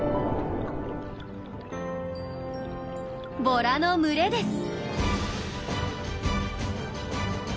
ボラの群れです。